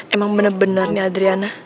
emang bener bener nih adriana